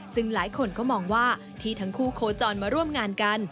ซึ่งหลายคนก็มองว่าที่ทั้งคู่โคจรมาร่วมงานกัน